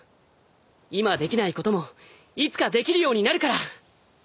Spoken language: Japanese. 今できないこともいつかできるようになるから。